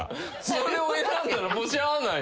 それを選んだらしゃあない。